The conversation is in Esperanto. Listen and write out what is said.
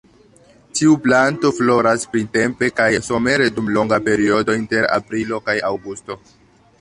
Tiu planto floras printempe kaj somere dum longa periodo inter aprilo kaj aŭgusto.